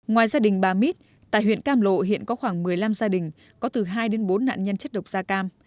ngoài gia đình bà mít tại huyện cam lộ hiện có khoảng một mươi năm gia đình có từ hai đến bốn nạn nhân chất độc da cam